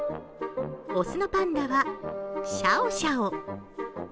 雄のパンダは、シャオシャオ。